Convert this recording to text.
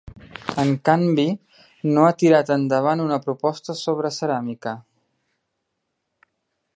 En canvi, no ha tirat endavant una proposta sobre ceràmica.